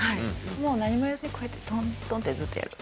もう何も言わずにこうやってトントンってずっとやる。